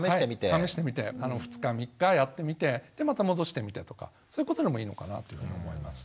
試してみて２日３日やってみてでまた戻してみてとかそういうことでもいいのかなというふうに思います。